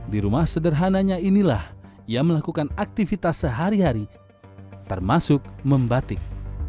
di rumah sederhananya inilah ia melakukan aktivitas sehari hari termasuk membatik